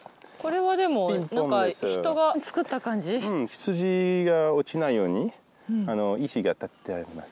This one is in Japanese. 羊が落ちないように石が立ってあります。